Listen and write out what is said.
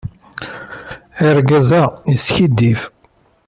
Argaz-a yeskiddib.